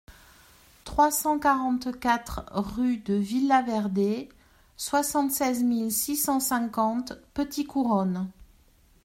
trois cent quarante-quatre rue de Vila Verde, soixante-seize mille six cent cinquante Petit-Couronne